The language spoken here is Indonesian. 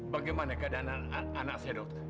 bagaimana keadaan anak saya dok